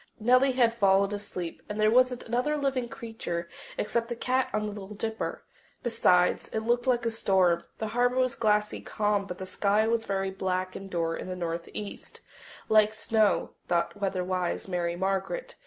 Nellie had fallen asleep, and there wasn't another living creature except the cat on the Little Dipper. Besides, it looked like a storm. The harbour was glassy calm, but the sky was very black and dour in the northeast like snow, thought weather wise Mary Margaret.